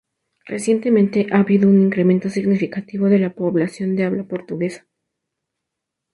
Recientemente ha habido un incremento significativo de la población de habla portuguesa.